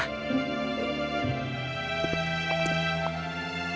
ketika mereka berdua berdua berdua bersama mereka menikah